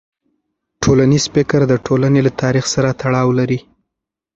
ټولنیز فکر د ټولنې له تاریخ سره تړاو لري.